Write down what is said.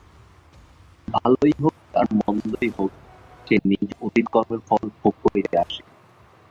ভালই হউক আর মন্দই হউক, সে নিজ অতীত কর্মের ফল ভোগ করিতে আসে।